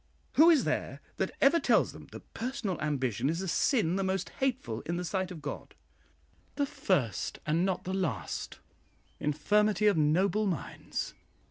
Who is there that ever tells them that personal ambition is a sin the most hateful in the sight of God, the first and not the last 'infirmity of noble minds'?